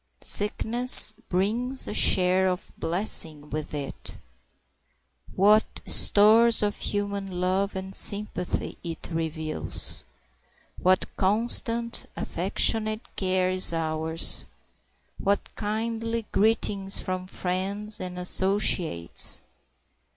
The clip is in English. Sickness brings a share of blessings with it. What stores of human love and sympathy it reveals! What constant, affectionate care is ours! what kindly greetings from friends and associates!